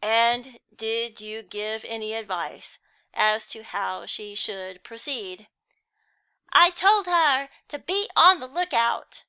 "And did you give any advice as to how she should proceed?" "I told her to be on the look out."